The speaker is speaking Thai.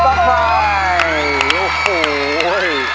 ขอบคุณค่ะ